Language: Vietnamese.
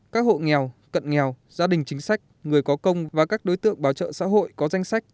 các hộ nghèo cận nghèo gia đình chính sách người có công và các đối tượng bảo trợ xã hội có danh sách